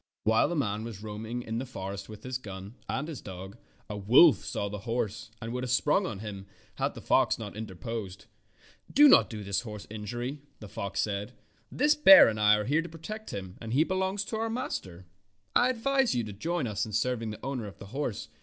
While the man was roaming in the forest with his gun and his dog, a wolf saw the horse and would have sprung on him had not the fox interposed. "Do this horse no injury," the fox said. "This bear and I are here to protect him, and he belongs to our master. I advise you to join us in serving the owner of the horse.